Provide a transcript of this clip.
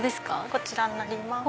こちらになります。